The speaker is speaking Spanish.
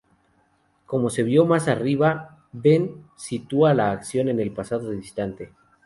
Como se vio más arriba, been sitúa la acción en el pasado distante.